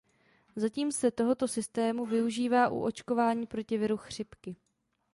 Zatím se tohoto systému využívá u očkování proti viru chřipky.